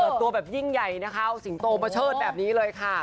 เปิดตัวแบบยิ่งใหญ่สิงโตมาเชิดแบบนี้เลยค่ะ